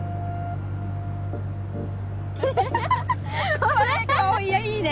これ顔いいね